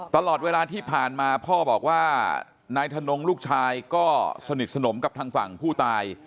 ตลอดเวลาที่ผ่านมาพ่อบอกว่านายทนงลูกชายก็สนิทสนมกับทางฝั่งผู้ตาย